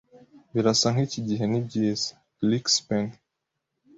Birasa nkiki gihe nibyiza. erikspen)